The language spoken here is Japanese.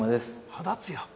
肌つや。